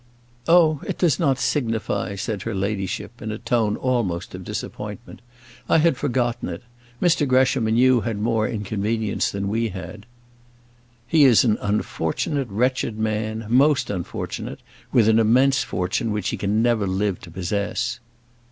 "Oh! it does not signify," said her ladyship in a tone almost of disappointment. "I had forgotten it. Mr Gresham and you had more inconvenience than we had." "He is an unfortunate, wretched man most unfortunate; with an immense fortune which he can never live to possess."